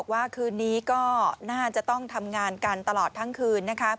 ว่าคืนนี้ก็น่าจะต้องทำงานกันตลอดทั้งคืนนะครับ